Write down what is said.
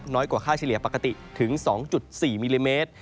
กว่าค่าเฉลี่ยปกติถึง๒๔มิลลิเมตร